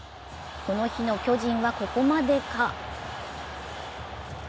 この日の巨人はここまでか？